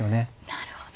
なるほど。